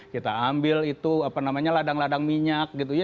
kita ambil itu apa namanya ladang ladang minyak gitu ya